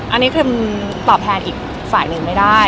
อันนี้ครีมตอบแทนอีกฝ่ายหนึ่งไม่ได้